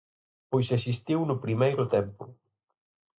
Pois existiu no primeiro tempo.